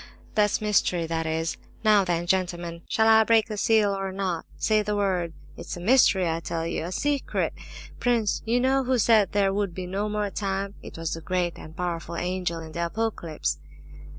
Ha, ha! that's mystery, that is! Now then, gentlemen, shall I break the seal or not? Say the word; it's a mystery, I tell you—a secret! Prince, you know who said there would be 'no more time'? It was the great and powerful angel in the Apocalypse."